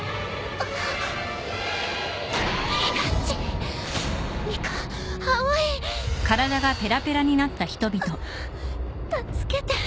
あ助けて。